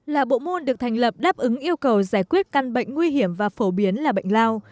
là bộ môn được thành lập đáp ứng yêu cầu giải quyết căn bệnh nguy hiểm và phổ biến là bệnh lao